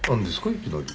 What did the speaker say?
いきなり。